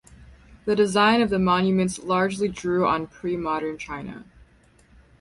The design of the monuments largely drew on premodern China.